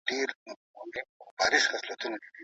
هغه په زندان کې ووژل شو.